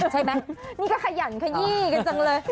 ใช่ไหมนี่ก็ขยันขยี้กันจังเลย